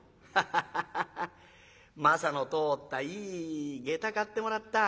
「ハハハハハ征の通ったいい下駄買ってもらった。